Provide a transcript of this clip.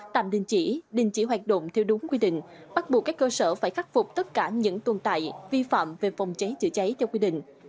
tạm đình chỉ đình chỉ hoạt động theo đúng quy định bắt buộc các cơ sở phải khắc phục tất cả những tồn tại vi phạm về phòng cháy chữa cháy theo quy định